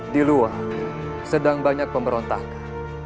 di luar sedang banyak pemberontakan